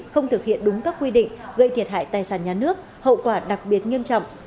không thực hiện đúng các quy định gây thiệt hại tài sản nhà nước hậu quả đặc biệt nghiêm trọng